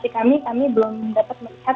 kami belum dapat melihat